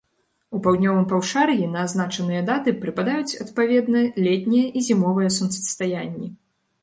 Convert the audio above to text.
У паўднёвым паўшар'і на азначаныя даты прыпадаюць, адпаведна, летняе і зімовае сонцастаянні.